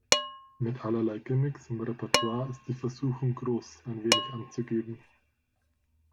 Mit allerlei Gimmicks im Repertoire ist die Versuchung groß, ein wenig anzugeben.